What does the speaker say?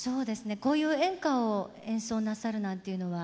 こういう演歌を演奏なさるなんていうのは。